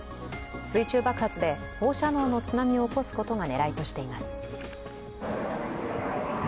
水中爆発で放射能の津波を起こすことが狙いとしています。